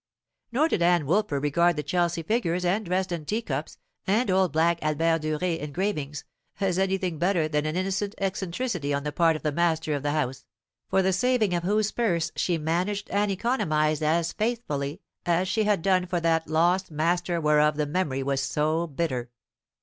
Nor did Ann Woolper regard the Chelsea figures and Dresden teacups and old black Albert Dürer engravings as anything better than an innocent eccentricity on the part of the master of the house, for the saving of whose purse she managed and economized as faithfully as she had done for that lost master whereof the memory was so bitter.